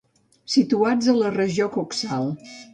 Situats a la regió coxal.